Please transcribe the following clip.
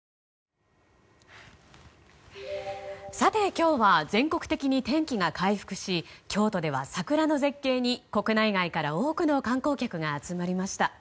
今日は全国的に天気が回復し京都では桜の絶景に国内外から多くの観光客が集まりました。